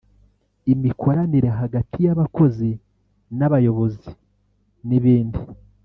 imikoranire hagati y’abakozi n’abayobozi n’ibindi